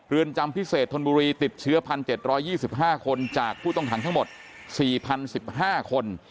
จำพิเศษธนบุรีติดเชื้อ๑๗๒๕คนจากผู้ต้องขังทั้งหมด๔๐๑๕คน